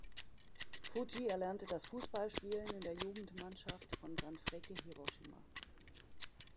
Fujii erlernte das Fußballspielen in der Jugendmannschaft von Sanfrecce Hiroshima.